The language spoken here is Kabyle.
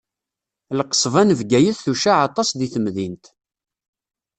Lqesba n Bgayet tucaɛ aṭas deg temdint.